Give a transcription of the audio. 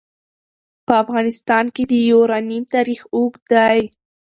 په افغانستان کې د یورانیم تاریخ اوږد دی.